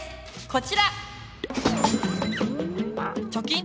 こちら！